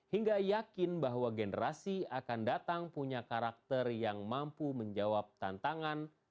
hingga yakin bahwa generasi akan datang punya karakter yang mampu menjawab tantangan